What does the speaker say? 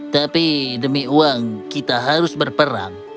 tapi demi uang kita harus berperang